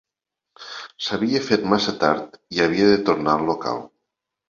S’havia fet massa tard i havia de tornar al local.